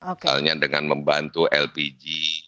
misalnya dengan membantu lpg